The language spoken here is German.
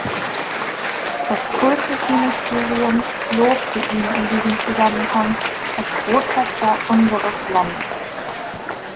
Das Kultusministerium lobte ihn in diesem Zusammenhang als „Botschafter unseres Landes“.